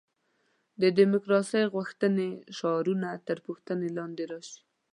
د دیموکراسي غوښتنې شعارونه تر پوښتنې لاندې راشي.